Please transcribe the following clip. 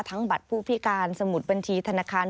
บัตรผู้พิการสมุดบัญชีธนาคาร